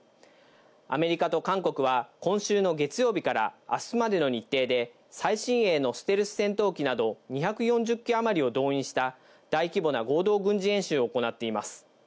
アメリカと韓国は今週の月曜日から明日までの日程で最新鋭のステルス戦闘機など２４０機あまりを動員した、大規模な合同軍事演習を行っています。